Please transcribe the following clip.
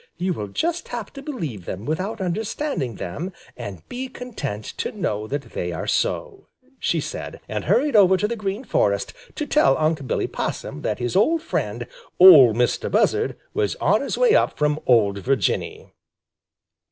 You will just have to believe them without understanding them and be content to know that they are so," she said, and hurried over to the Green Forest to tell Unc' Billy Possum that his old friend, Ol' Mistah Buzzard, was on his way up from ol' Virginny.